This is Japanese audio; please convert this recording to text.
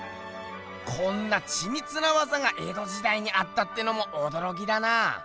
こんなちみつなわざがえどじだいにあったってのもおどろきだな。